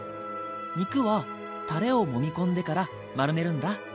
肉はたれをもみ込んでから丸めるんだ。